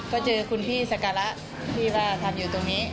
ก็เจอคุณพี่สการะที่ว่าทำอยู่ตรงนี้